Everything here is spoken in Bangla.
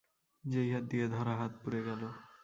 যেই হাত দিয়ে ধরা, হাত পুড়ে গেল।